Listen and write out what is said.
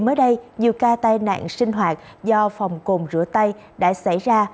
mới đây nhiều ca tai nạn sinh hoạt do phòng cồn rửa tay đã xảy ra